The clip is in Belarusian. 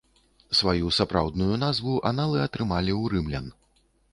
Сваю сапраўдную назву аналы атрымалі ў рымлян.